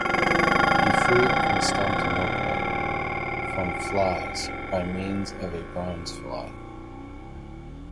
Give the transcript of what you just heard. He freed Constantinople from flies by means of a bronze fly.